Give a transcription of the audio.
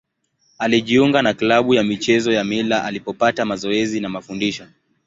Alijiunga na klabu ya michezo ya Mila alipopata mazoezi na mafundisho.